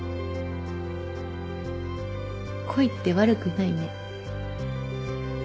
恋って悪くないね。